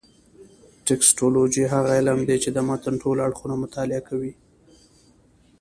ټکسټولوجي هغه علم دﺉ، چي د متن ټول اړخونه مطالعه کوي.